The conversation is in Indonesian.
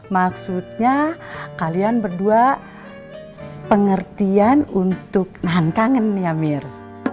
maksudnya kalian berdua pengertian untuk nahan kangen ya mir